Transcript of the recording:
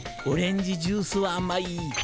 オレンジジュースはあまい。